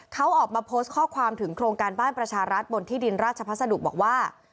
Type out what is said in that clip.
เขาออกมาโพสต์ข้อความถึงโครงการบ้านประชารัฐบนที่ดินราชพัสดุบอกว่า